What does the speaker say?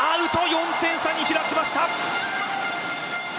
４点差に開きました